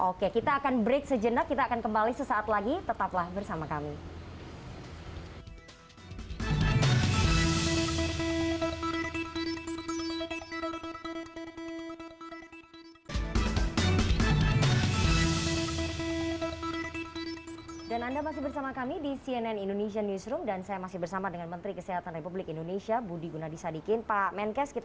oke kita akan break sejenak kita akan kembali sesaat lagi tetaplah bersama kami